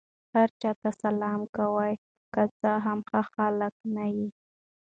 هر چا ته سلام کوئ! که څه هم ښه خلک نه يي.